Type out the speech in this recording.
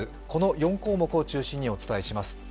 この４項目を中心にお伝えします。